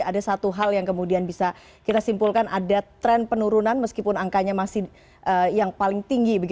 ada satu hal yang kemudian bisa kita simpulkan ada tren penurunan meskipun angkanya masih yang paling tinggi